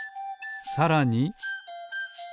さらに。